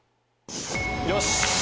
よし！